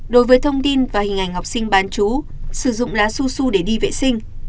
đối với thông tin và hình ảnh học sinh bán chú sử dụng lá susu để đi vệ sinh